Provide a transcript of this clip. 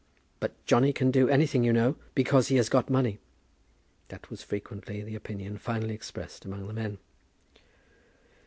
"But Johnny can do anything, you know, because he has got money." That was too frequently the opinion finally expressed among the men.